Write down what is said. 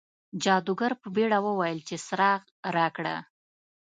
جادوګر په بیړه وویل چې څراغ راکړه.